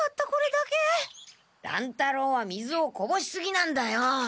乱太郎は水をこぼしすぎなんだよ。